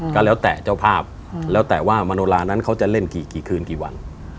ก็แล้วแต่เจ้าภาพแล้วแต่ว่ามโนลานั้นเขาจะเล่นกี่คืนกี่วัน